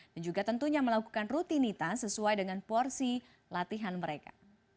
dan juga tentunya melakukan rutinitas sesuai dengan porsi latihan mereka